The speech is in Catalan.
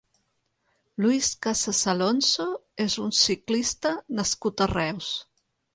Luis Casas Alonso és un ciclista nascut a Reus.